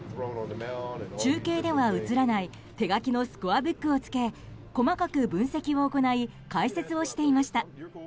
中継では映らない手書きのスコアブックをつけ細かく分析を行い解説をしていました。